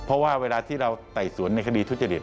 เพราะว่าเวลาที่เราไต่สวนในคดีทุจริต